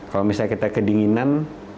kalau misalnya kita kedinginan